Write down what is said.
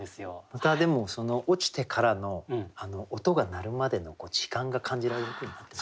またでもその落ちてからの音が鳴るまでの時間が感じられる句になってますよね。